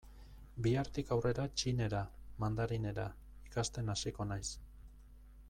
Bihartik aurrera txinera, mandarinera, ikasten hasiko naiz.